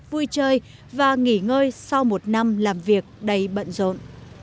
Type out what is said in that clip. vui chơi và nghỉ ngơi sau một năm làm việc đầy bận rộn